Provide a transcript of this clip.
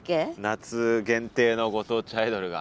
夏限定のご当地アイドルが。